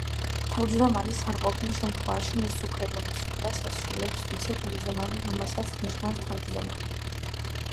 თავმჯდომარის არყოფნის შემთხვევაში, მის უფლებამოსილებას ასრულებს ვიცე–თავმჯდომარე, რომელსაც ნიშნავს თავმჯდომარე.